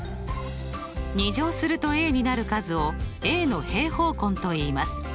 ２乗するとになる数をの平方根といいます。